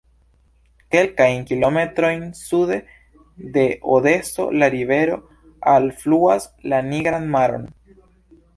Kelkajn kilometrojn sude de Odeso la rivero alfluas la Nigran Maron.